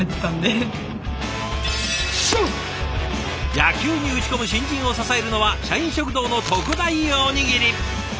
野球に打ち込む新人を支えるのは社員食堂の特大おにぎり！